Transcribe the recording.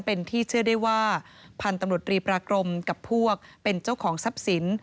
เป็นที่เชื่อได้ว่าพันธุ์ตำรวจรีปรากรมกับพวกเป็นเจ้าของทรัพย์สิน